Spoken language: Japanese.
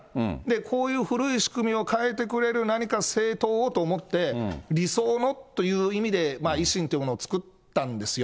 こういう古い仕組みを変えてくれる何か政党をと思って、理想のという意味で、維新ってものを作ったんですよ。